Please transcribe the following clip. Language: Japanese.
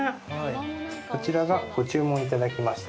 こちらが、ご注文いただきました